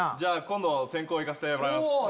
今度先攻行かせてもらいます。